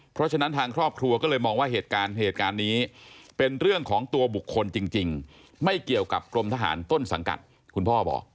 เพราะฉะนั้นทางครอบครัวก็เลยมองว่าเหตุการณ์เหตุการณ์นี้เป็นเรื่องของตัวบุคคลจริงไม่เกี่ยวกับกรมทหารต้นสังกัดคุณพ่อบอก